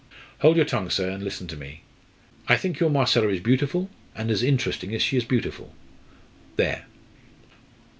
"Hold your tongue, sir, and listen to me. I think your Marcella is beautiful, and as interesting as she is beautiful. There!"